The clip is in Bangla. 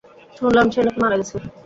শুনলাম সে নাকি মারা গেছে।